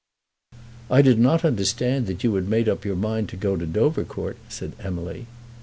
"I did not understand that you had made up your mind to go to Dovercourt," said Emily.